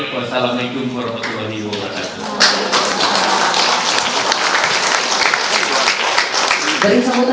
wassalamu alaikum warahmatullahi wabarakatuh